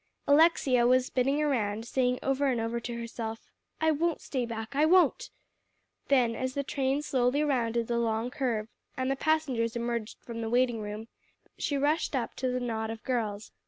Alexia was spinning around, saying over and over to herself, "I won't stay back I won't." Then, as the train slowly rounded the long curve and the passengers emerged from the waiting room, she rushed up to the knot of girls.